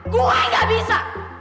gua gak bisa